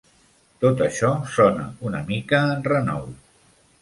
Tot això sona una mica a enrenou.